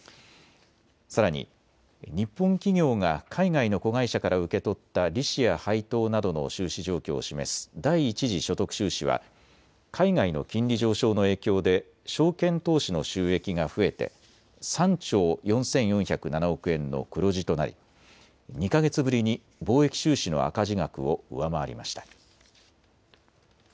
さらに日本企業が海外の子会社から受け取った利子や配当などの収支状況を示す第一次所得収支は海外の金利上昇の影響で証券投資の収益が増えて３兆４４０７億円の黒字となり２か月ぶりに貿易収支の赤字額を上回りました。